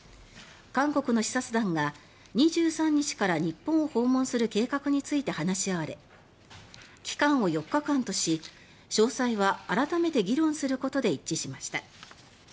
韓国の視察団が２３日から日本を訪問する計画について話し合われ期間を４日間とし詳細は改めて議論することで一致しました。